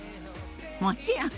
もちろん！